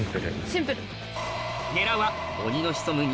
シンプル。